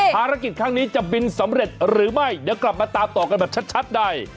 ภารกิจครั้งนี้จะบินสำเร็จหรือไม่เดี๋ยวกลับมาตามต่อกันแบบชัดใน